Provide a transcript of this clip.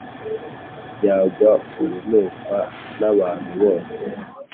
byangwa urunuka n'abantu bose